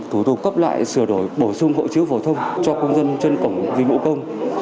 thủ tục cấp lại sửa đổi bổ sung hộ chiếu phổ thông cho công dân trên cổng dịch vụ công